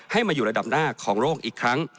มาอยู่ระดับหน้าของโลกอีกครั้ง